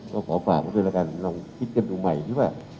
ก็ขอฝากมันเป็นระการลองคิดกันตัวใหม่ที่ว่า